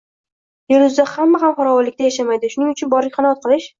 Yer yuzida hamma ham farovonlikda yashamaydi, shuning uchun boriga qanoat qilish.